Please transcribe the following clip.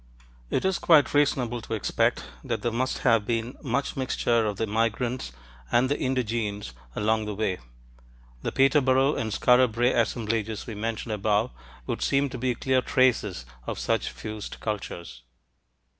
It is quite reasonable to expect that there must have been much mixture of the migrants and the indigenes along the way; the Peterborough and Skara Brae assemblages we mentioned above would seem to be clear traces of such fused cultures.